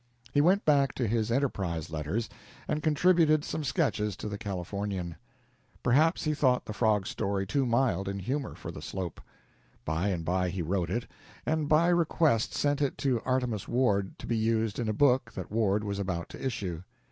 He went back to his "Enterprise" letters and contributed some sketches to the Californian. Perhaps he thought the frog story too mild in humor for the slope. By and by he wrote it, and by request sent it to Artemus Ward to be used in a book that Ward was about to issue.